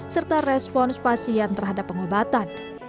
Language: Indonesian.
serta respons pasien terhadap pengobatan